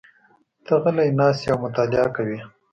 ته غلی ناست یې او مطالعه کوې.